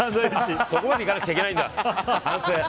そこまでいかなくちゃいけないんだ。